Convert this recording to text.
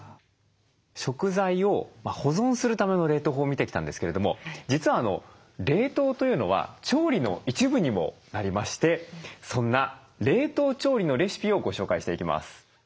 食材を保存するための冷凍法を見てきたんですけれども実は冷凍というのは調理の一部にもなりましてそんな冷凍調理のレシピをご紹介していきます。